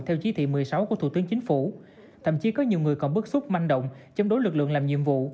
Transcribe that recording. theo chí thị một mươi sáu của thủ tướng chính phủ thậm chí có nhiều người còn bức xúc manh động chống đối lực lượng làm nhiệm vụ